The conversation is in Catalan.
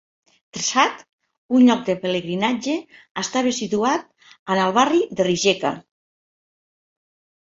Trsat, un lloc de pelegrinatge, estava situat en el barri de Rijeka.